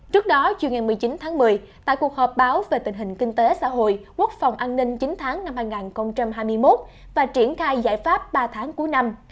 trước đó chiều ngày một mươi chín tháng một mươi tại cuộc họp báo về tình hình kinh tế xã hội quốc phòng an ninh chín tháng năm hai nghìn hai mươi một và triển khai giải pháp ba tháng cuối năm